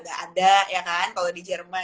gak ada ya kan kalau di jerman